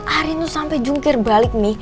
arin tuh sampe jungkir balik mi